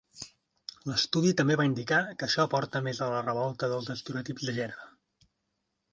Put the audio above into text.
L'estudi també va indicar que això porta més a la revolta dels estereotips de gènere.